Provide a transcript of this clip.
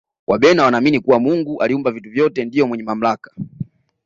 wabena wanaamini kuwa mungu aliumba vitu vyote ndiye mwenye mamlaka